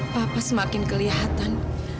papa semakin kelihatan